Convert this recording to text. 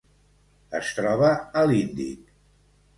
Es troba a l'Índic: